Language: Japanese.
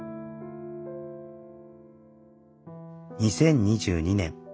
２０２２年。